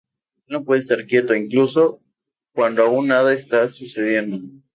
Él no puede estar quieto, incluso, aun cuando nada está sucediendo.